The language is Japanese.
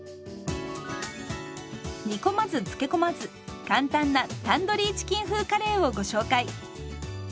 煮込まず漬け込まず簡単な「タンドリーチキン風カレー」をご紹介。